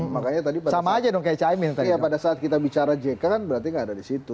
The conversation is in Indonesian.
makanya tadi pada saat kita bicara jk kan berarti gak ada di situ